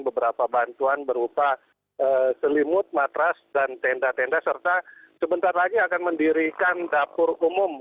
beberapa bantuan berupa selimut matras dan tenda tenda serta sebentar lagi akan mendirikan dapur umum